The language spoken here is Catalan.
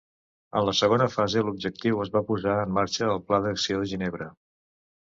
En la segona fase l'objectiu, es va posar en marxa el Pla d'Acció de Ginebra.